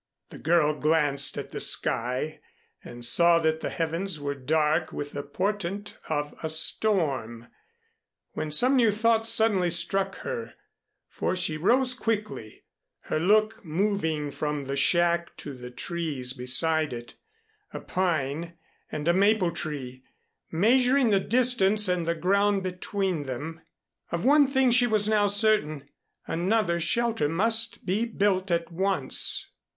The girl glanced at the sky and saw that the heavens were dark with the portent of a storm, when some new thought suddenly struck her, for she rose quickly, her look moving from the shack to the trees beside it, a pine and a maple tree, measuring the distance and the ground between them. Of one thing she was now certain, another shelter must be built at once.